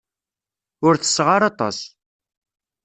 Ur tesseɣ ara aṭas.